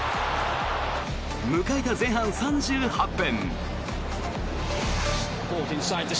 迎えた前半３８分。